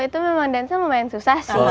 itu memang dance nya lumayan susah sih